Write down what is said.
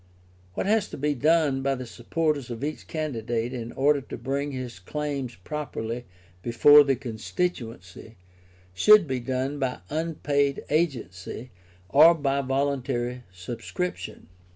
What has to be done by the supporters of each candidate in order to bring his claims properly before the constituency, should be done by unpaid agency or by voluntary subscription.